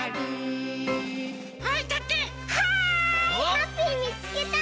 ハッピーみつけた！